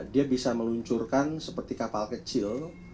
dia bisa meluncurkan seperti kapal kecil